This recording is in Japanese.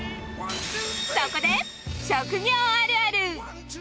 そこで、職業あるある。